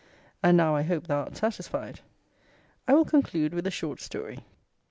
And now I hope thou art satisfied. I will conclude with a short story.